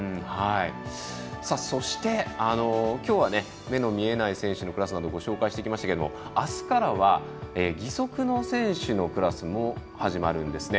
そして、きょうは目の見えない選手のクラスなどをご紹介してきましたがあすからは義足の選手のクラスも始まるんですね。